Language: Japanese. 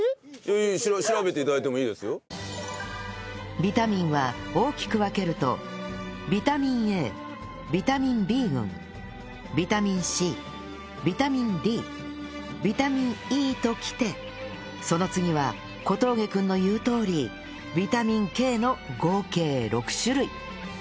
ビタミンは大きく分けるとビタミン Ａ ビタミン Ｂ 群ビタミン Ｃ ビタミン Ｄ ビタミン Ｅ ときてその次は小峠君の言うとおりビタミン Ｋ の合計６種類